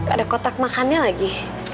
ada kotak makannya lagi